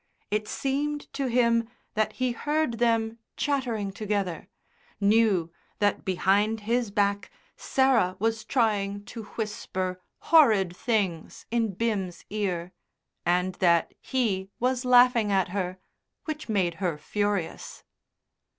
It seemed to him that he heard them chattering together, knew that behind his back Sarah was trying to whisper horrid things in Bim's ear, and that he was laughing at her, which made her furious.